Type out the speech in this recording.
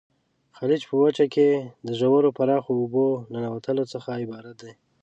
خلیج په وچه کې د ژورو پراخو اوبو ننوتلو څخه عبارت دی.